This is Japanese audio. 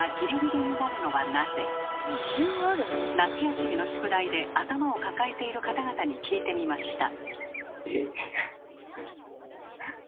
夏休みの宿題で頭を抱えている方々に聞いてみました。